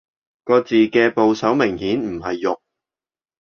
個字嘅部首明顯唔係肉